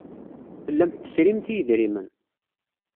Tellamt tesrimt i yedrimen.